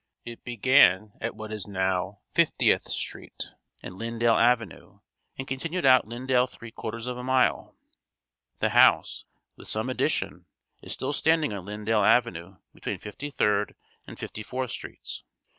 It began at what is now Fiftieth street and Lyndale Avenue and continued out Lyndale three quarters of a mile. The house (with some addition) is still standing on Lyndale Avenue between Fifty Third and Fifty Fourth streets.